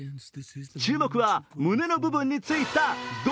注目は、胸の部分についた泥。